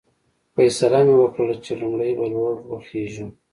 فیصله مې وکړل چې لومړی به لوړ وخېژم.